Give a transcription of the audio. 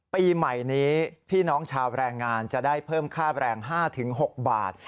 ปีใหม่นี้พี่น้องชาวแรงงานจะได้เพิ่มค่าแรง๕๖บาท